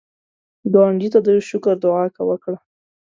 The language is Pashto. ګاونډي ته د شکر دعا وکړه